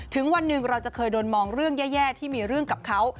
ถึงวันหนึ่งเราจะเคยโดนมองเรื่องแย่ที่มีเรื่องกับเขา